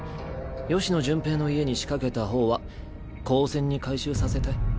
吉野順平の家に仕掛けた方は高専に回収させたい。